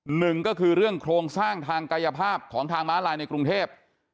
หนึ่งก็คือเรื่องโครงสร้างทางกายภาพของทางม้าลายในกรุงเทพ